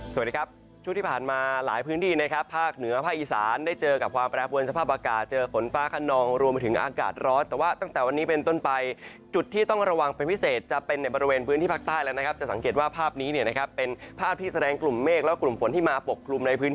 สวัสดีครับช่วงที่ผ่านมาหลายพื้นที่นะครับภาคเหนือภาคอีสานได้เจอกับความแปรปวนสภาพอากาศเจอฝนฟ้าขนองรวมไปถึงอากาศร้อนแต่ว่าตั้งแต่วันนี้เป็นต้นไปจุดที่ต้องระวังเป็นพิเศษจะเป็นในบริเวณพื้นที่ภาคใต้แล้วนะครับจะสังเกตว่าภาพนี้เนี่ยนะครับเป็นภาพที่แสดงกลุ่มเมฆและกลุ่มฝนที่มาปกกลุ่มในพื้น